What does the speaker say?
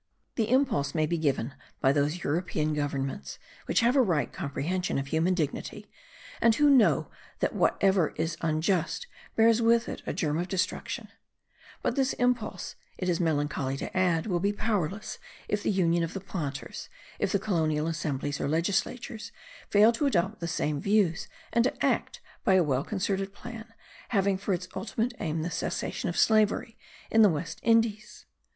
The impulse may be given by those European governments which have a right comprehension of human dignity, and who know that whatever is unjust bears with it a germ of destruction; but this impulse, it is melancholy to add, will be powerless if the union of the planters, if the colonial assemblies or legislatures, fail to adopt the same views and to act by a well concerted plan, having for its ultimate aim the cessation of slavery in the West Indies.